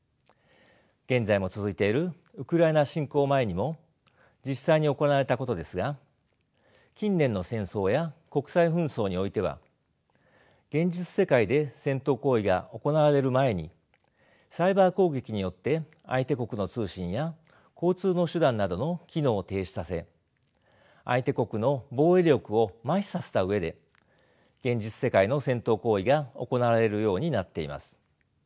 現在も続いているウクライナ侵攻前にも実際に行われたことですが近年の戦争や国際紛争においては現実世界で戦闘行為が行われる前にサイバー攻撃によって相手国の通信や交通の手段などの機能を停止させ相手国の防衛力を麻痺させた上で現実世界の戦闘行為が行われるようになっています。